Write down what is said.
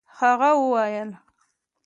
هغه وويل.